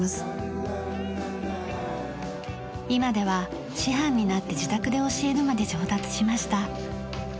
今では師範になって自宅で教えるまで上達しました。